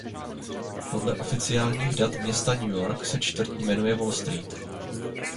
Podle oficiálních dat města New York se čtvrť jmenuje "Wall Street".